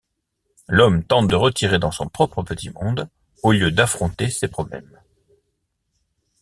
L'homme tente de retirer dans son propre petit monde au lieu d’affronter ses problèmes.